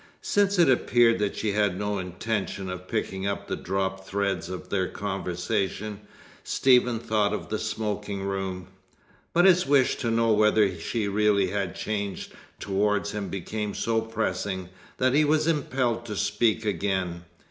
Since it appeared that she had no intention of picking up the dropped threads of their conversation, Stephen thought of the smoking room; but his wish to know whether she really had changed towards him became so pressing that he was impelled to speak again.